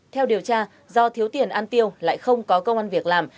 theo điều tra do thiếu tiền ăn tiêu lại không có công an việc làm